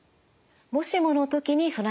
「もしもの時に備えて」